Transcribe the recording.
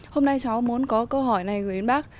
hôm nay cháu muốn có câu hỏi này gửi đến bác